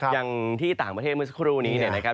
อย่างที่ต่างประเทศบุษฏภุรุนี้นะครับ